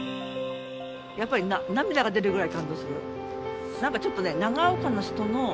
やっぱりなみだが出るぐらい感動するよ。